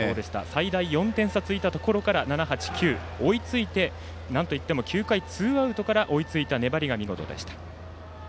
最大４点差ついたところから７、８、９、追いついてなんといっても９回ツーアウトから追いついた粘りが見事でした。